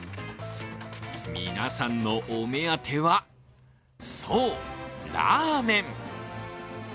皆さんのお目当てはそう、ラーメン！